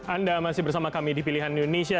anda masih bersama kami di pilihan indonesia